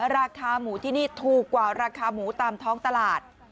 ราคาหมูที่นี่ถูกกว่าราคาหมูตามท้องตลาด